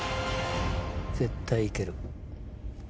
絶対行ける。